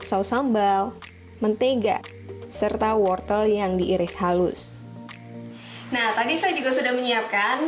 saus sambal mentega serta wortel yang diiris halus nah tadi saya juga sudah menyiapkan